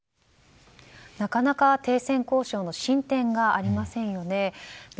なかなか停戦交渉の進展がありませんよね。